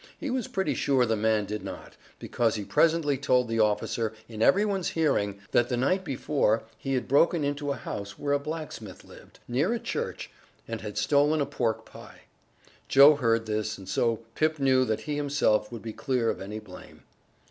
He was pretty sure the man did not, because he presently told the officer, in every one's hearing, that the night before he had broken into a house where a blacksmith lived, near a church, and had stolen a pork pie. Joe heard this and so Pip knew that he himself would be clear of any blame.